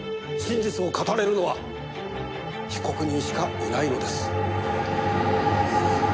真実を語れるのは被告人しかいないのです。